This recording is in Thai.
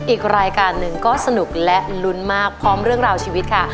อีกรายการหนึ่งก็สนุกและลุ้นมากพร้อมเรื่องราวชีวิตค่ะ